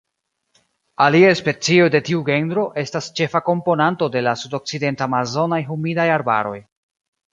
Aliaj specioj de tiu genro estas ĉefa komponanto de la sudokcident-amazonaj humidaj arbaroj.